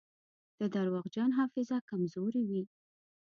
د درواغجن حافظه کمزورې وي.